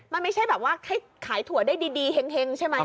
มันไม่ใช่แบบว่าให้ขายถั่วได้ดีเฮงใช่ไหม